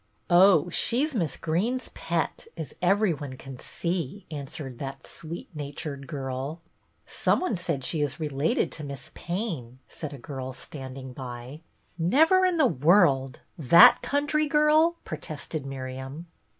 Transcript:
" Oh, she 's Miss Greene's pet, as every one can see," answered that sweet natured girl. " Some one said she is related to Miss Payne," said a girl standing by. 144 BETTY BAIRD " Never in the world, — that country girl !" protested Miriam.